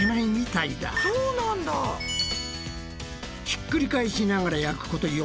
ひっくり返しながら焼くこと４０分。